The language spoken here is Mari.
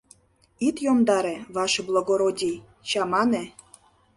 — Ит йомдаре, ваше благородий, чамане!